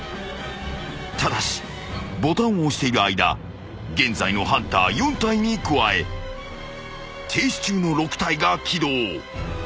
［ただしボタンを押している間現在のハンター４体に加え停止中の６体が起動］